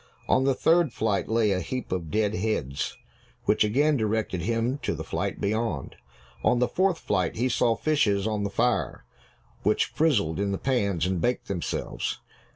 On the third flight lay a heap of dead heads, which again directed him to the flight beyond. On the fourth flight, he saw fishes on the fire, which frizzled in the pans and baked themselves.